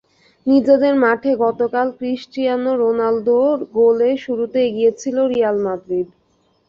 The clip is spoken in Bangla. নিজেদের মাঠে গতকাল ক্রিস্টিয়ানো রোনালদোর গোলে শুরুতে এগিয়ে ছিল রিয়াল মাদ্রিদ।